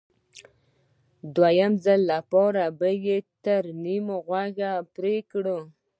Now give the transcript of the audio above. د دویم ځل لپاره به یې ترې نیم غوږ پرې کړ